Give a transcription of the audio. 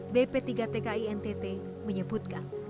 bp tiga tki ntt menyebutkan